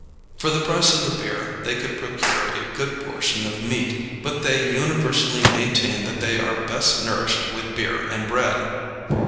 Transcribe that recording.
For the price of the beer they could procure a good portion of meat, but they universally maintain that they are best nourished with beer and bread.